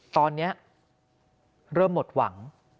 ตอนนี้เริ่มหมดหวัง